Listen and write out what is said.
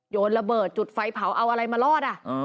โยนระเบิดจุดไฟเผาเอาอะไรมารอด